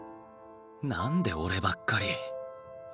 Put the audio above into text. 何で俺ばっかり。